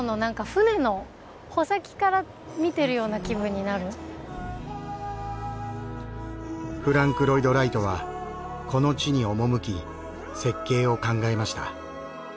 この建物のなんかフランク・ロイド・ライトはこの地に赴き設計を考えました。